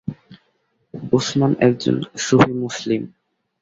উসমান একজন সুফি মুসলিম।